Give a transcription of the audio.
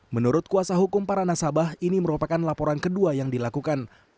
menurut kuasa hukum para nasabah ini merupakan laporan kedua yang dilakukan